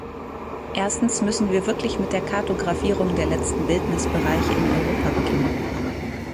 Erstens müssen wir wirklich mit der Kartografierung der letzten Wildnisbereiche in Europa beginnen.